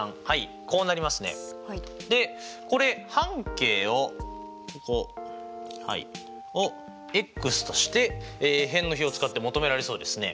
でこれ半径をｘとして辺の比を使って求められそうですね。